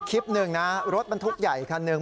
คลิปหนึ่งนะรถบรรทุกใหญ่คันหนึ่ง